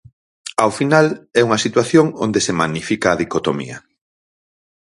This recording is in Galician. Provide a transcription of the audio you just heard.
Ao final é unha situación onde se magnifica a dicotomía.